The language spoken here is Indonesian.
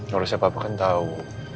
harusnya papa kan tau